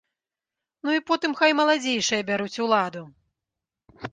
Ну і потым хай маладзейшыя бяруць уладу!